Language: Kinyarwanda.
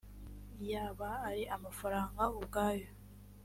yaba ari amafaranga ubwayo